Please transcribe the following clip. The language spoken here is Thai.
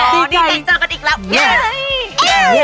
ดีใจจังกันอีกแล้ว